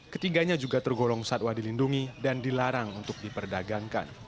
ketiganya juga tergolong satwa dilindungi dan dilarang untuk diperdagangkan